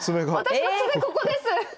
ここです。